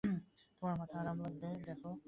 তোমার মাথায় আরাম লাগবে।